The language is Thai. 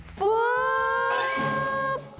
ฟื้อก